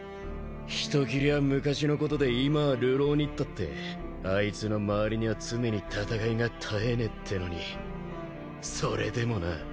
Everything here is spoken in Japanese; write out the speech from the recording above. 人斬りは昔のことで今は流浪人ったってあいつの周りには常に戦いが絶えねえってのにそれでもな。